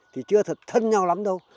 thì chưa thật thân nhau lắm đâu